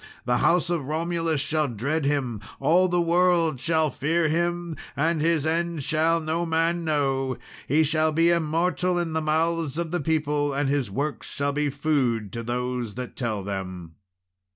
The house of Romulus shall dread him all the world shall fear him and his end shall no man know; he shall be immortal in the mouths of the people, and his works shall be food to those that tell them.